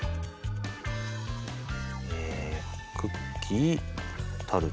えクッキー・タルト。